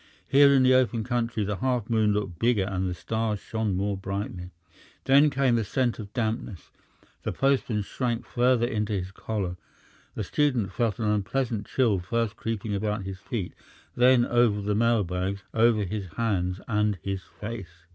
Here in the open country the half moon looked bigger and the stars shone more brightly. Then came a scent of dampness; the postman shrank further into his collar, the student felt an unpleasant chill first creeping about his feet, then over the mail bags, over his hands and his face.